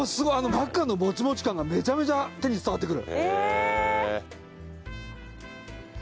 中のもちもち感がめちゃめちゃ手に伝わってくる。